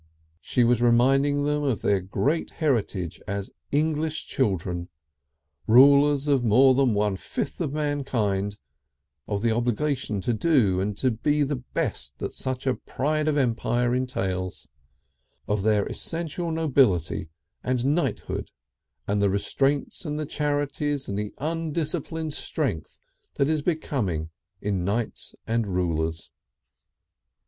She was reminding them of their great heritage as English children, rulers of more than one fifth of mankind, of the obligation to do and be the best that such a pride of empire entails, of their essential nobility and knighthood and the restraints and the charities and the disciplined strength that is becoming in knights and rulers....